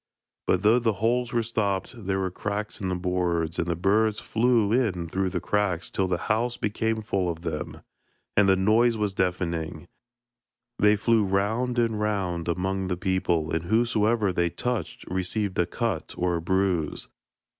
But though the holes were stopped, there were cracks in the boards, and the birds flew in through the cracks till the house became full of them, and the noise was deafening. They flew round and round among the people, and whosoever they touched received a cut or a bruise.